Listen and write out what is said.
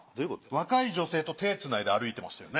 若い女性と手つないで歩いてましたよね？